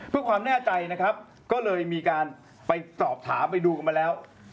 เพื่อความแน่ใจนะครับก็เลยมีการไปสอบถามไปดูกันมาแล้ว